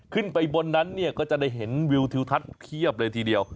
ขึ้นไปบนนั้นเนี่ยก็จะได้เห็นวิวทิวทัศน์เพียบเลยทีเดียว